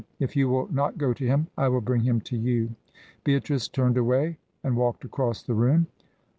If you will not go to him, I will bring him to you " Beatrice turned away and walked across the room.